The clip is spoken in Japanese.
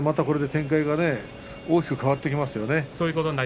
これで展開がまた大きく変わってきますね。